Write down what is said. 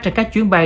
trên các chuyến bay